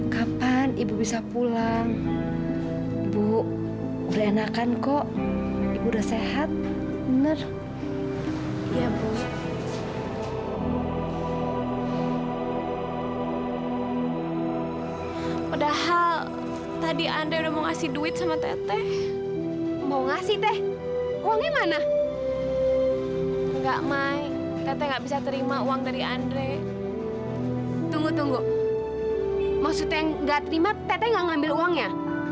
sampai jumpa di video selanjutnya